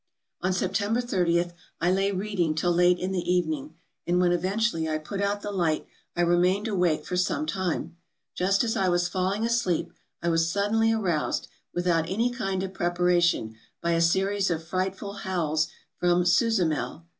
484 TRAVELERS AND EXPLORERS " On September 30 I lay reading till late in the evening, and, when eventually I put out the light, I remained awake for some time. Just as I was falling asleep, I was suddenly aroused — without any kind of preparation — by a series of frightful howls from 'Susamel.'